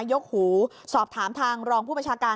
กหูสอบถามทางรองผู้ประชาการ